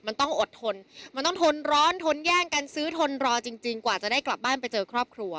มันต้องอดทนมันต้องทนร้อนทนแย่งกันซื้อทนรอจริงกว่าจะได้กลับบ้านไปเจอครอบครัว